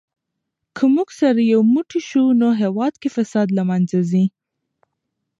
که موږ سره یو موټی سو نو هېواد کې فساد له منځه ځي.